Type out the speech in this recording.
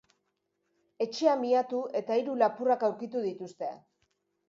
Etxea miatu eta hiru lapurrak aurkitu dituzte.